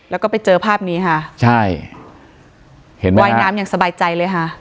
ก็ต้องไปเจอภาพนี้ค่ะบ่อยน้ำอย่างสบายใจเลยค่ะ